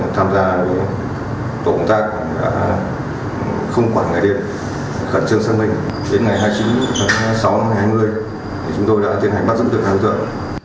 vì vậy khẩn trường sang mình đến ngày hai mươi chín sáu hai nghìn hai mươi chúng tôi đã tiến hành bắt giữ tượng hàng tượng